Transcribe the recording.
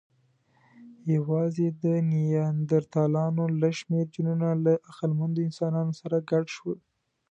یواځې د نیاندرتالانو لږ شمېر جینونه له عقلمنو انسانانو سره ګډ شول.